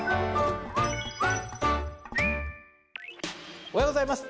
おはようございます。